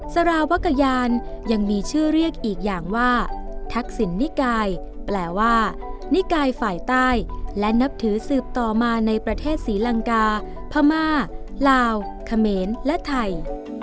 สารวักยานยังมีชื่อเรียกอีกอย่างว่าทักษิณนิกายแปลว่านิกายฝ่ายใต้และนับถือสืบต่อมาในประเทศศรีลังกาพม่าลาวเขมรและไทย